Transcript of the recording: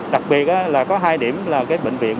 đặc biệt là có hai điểm là cái bệnh viện